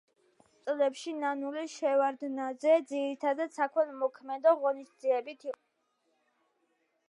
ამ წლებში ნანული შევარდნაძე ძირითადად საქველმოქმედო ღონისძიებებით იყო დაკავებული.